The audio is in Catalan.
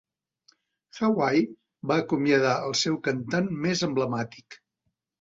Hawaii va acomiadar el seu cantant més emblemàtic.